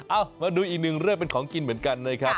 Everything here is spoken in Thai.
เอ้ามาดูอีกอย่างหนึ่งเรื่องเป็นของกินเหมือนกันเลยครับ